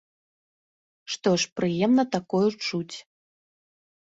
Што ж прыемна такое чуць!